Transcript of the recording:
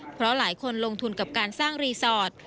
เพราะหลายคนลงทุนกับการสร้างรีสอร์ท